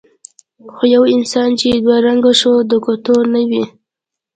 خو یو انسان چې دوه رنګه شو د کتو نه وي.